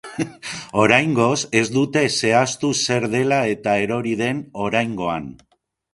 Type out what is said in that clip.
Oraingoz, ez dute zehaztu zer dela eta erori den oraingoan.